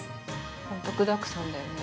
◆ほんと具だくさんだよね。